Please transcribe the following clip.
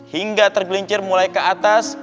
hingga tergelincir mulai ke atas